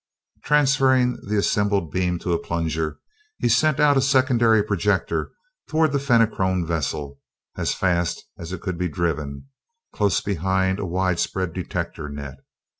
Transferring the assembled beam to a plunger, he sent out a secondary projector toward the Fenachrone vessel, as fast as it could be driven, close behind a widespread detector net.